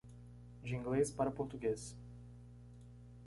De Inglês para Português.